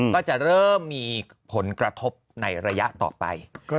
ก็จะเริ่มมีผลกระทบในระยะต่อไป